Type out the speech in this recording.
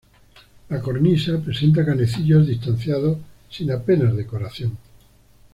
La cornisa presenta canecillos distanciados sin apenas decoración.